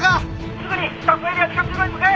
すぐにスタッフエリア地下通路に向かえ。